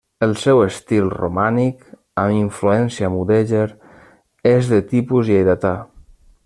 El seu estil romànic amb influència mudèjar és de tipus lleidatà.